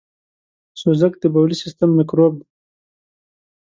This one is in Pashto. سوزک دبولي سیستم میکروب دی .